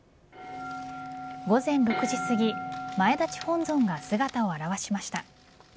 午前６時すぎ前立本尊が姿を現しました。